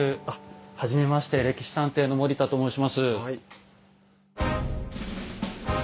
はじめまして「歴史探偵」の森田と申します。